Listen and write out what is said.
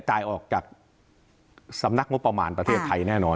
ตายออกจากสำนักงบประมาณประเทศไทยแน่นอน